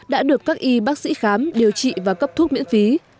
đã được các y bác sĩ khám điều trị và cấp thuốc miễn phí